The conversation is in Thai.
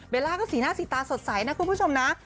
ล่าก็สีหน้าสีตาสดใสนะคุณผู้ชมนะ